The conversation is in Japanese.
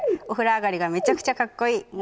「お風呂上がりがめちゃくちゃかっこいい」